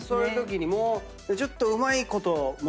ちょっとうまいこと持って。